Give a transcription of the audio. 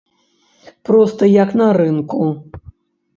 Проста як на рынку.